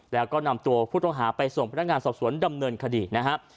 แล้วก็นำตัวผู้ต้องหาไปส่งพนักงานสอบสวนดำเนินคดีนะครับ